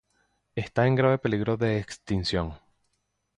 Está en grave peligro de extinción.